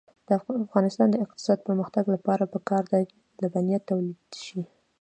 د افغانستان د اقتصادي پرمختګ لپاره پکار ده چې لبنیات تولید شي.